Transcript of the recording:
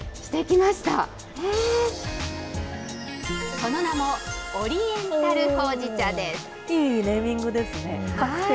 その名も、いいネーミングですね。